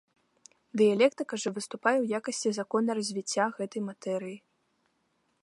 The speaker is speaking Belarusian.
Дыялектыка жа выступае ў якасці закона развіцця гэтай матэрыі.